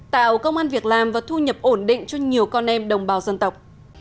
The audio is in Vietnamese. tạo công an việc làm và thu nhập ổn định cho nhiều con em đồng bào dân tộc